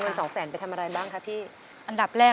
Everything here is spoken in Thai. เปลี่ยนเพลงเก่งของคุณและข้ามผิดได้๑คำ